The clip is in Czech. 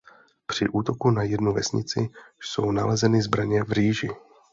Při útoku na jednu vesnici jsou nalezeny zbraně v rýži.